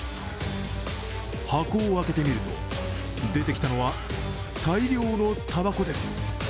箱を開けてみると出てきたのは大量のたばこです。